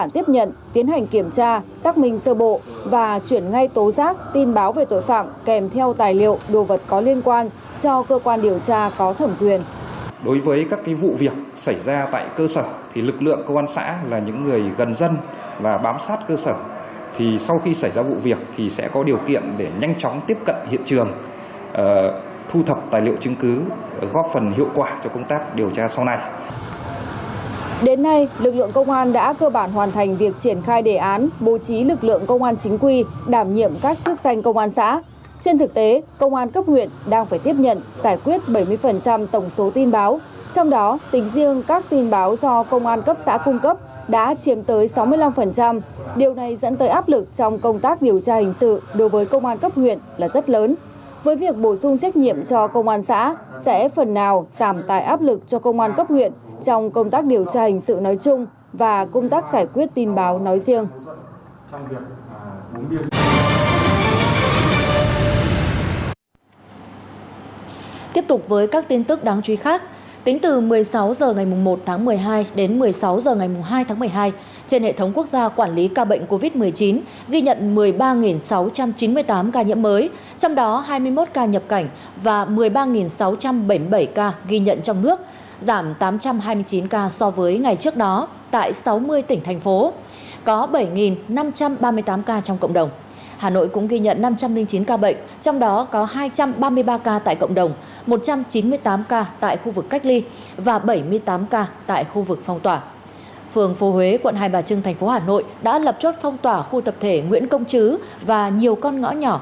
tiến hành kiểm tra xác minh sơ bộ và chuyển ngay tố giác tin báo về tội phạm kèm theo tài liệu đồ vật có liên quan cho cơ quan điều tra có thẩm quyền